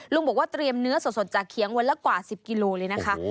ลุงบอกว่าเตรียมเนื้อสดจากเคียงวันละกว่า๑๐กิโลเลยนะคะ